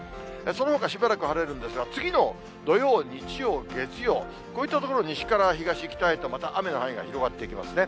そのほかしばらく晴れるんですが、次の土曜、日曜、月曜、こういったところ、西から東、北へとまた雨の範囲が広がっていきますね。